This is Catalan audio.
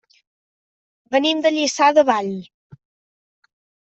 Venim de Lliçà de Vall.